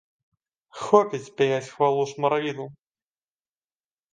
Хопіць пяяць хвалу шмаравідлу!